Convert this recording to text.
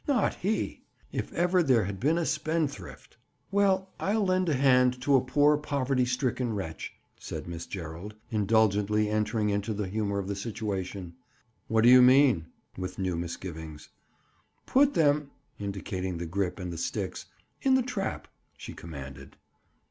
Not he! If ever there had been a spendthrift!— "Well, I'll lend a hand to a poor, poverty stricken wretch," said Miss Gerald, indulgently entering into the humor of the situation. "What do you mean?" With new misgivings. "Put them"—indicating the grip and the sticks—"in the trap," she commanded.